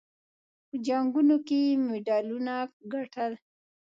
په جنګونو کې یې مډالونه ګټل.